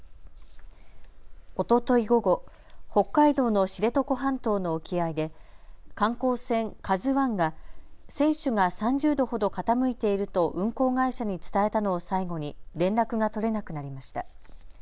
おととい午後、北海道の知床半島の沖合で観光船、ＫＡＺＵＩが船首が３０度ほど傾いていると運航会社に伝えたのを最後に連絡が取れなくなりました。